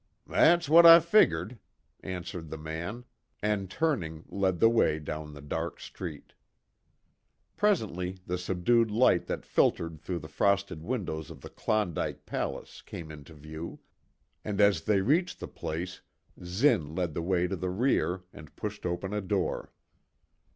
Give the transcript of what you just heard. "That's what I figgered," answered the man, and turning led the way down the dark street. Presently the subdued light that filtered through the frosted windows of the Klondike Palace came into view, and as they reached the place Zinn led the way to the rear, and pushed open a door.